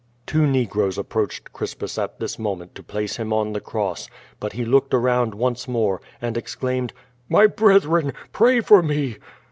Two negroes approached Crispus at this moment to place him on the cross, but he looked around once more, and ex claimed: "My brethren, pray for me!"